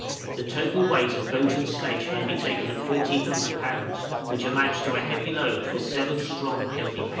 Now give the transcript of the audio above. The total weight of boat and sledge may be taken at 1400 lbs., which amounts to a heavy load for seven strong healthy men.